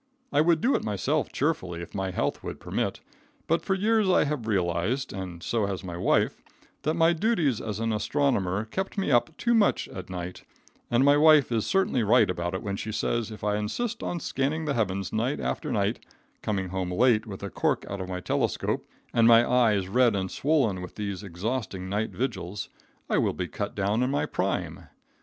I would do it myself cheerfully if my health would permit, but for years I have realized, and so has my wife, that my duties as an astronomer kept me up too much at night, and my wife is certainly right about it when she says if I insist on scanning the heavens night after night, coming home late with the cork out of my telescope and my eyes red and swollen with these exhausting night vigils, I will be cut down in my prime.